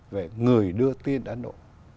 về người đưa tin ấn độ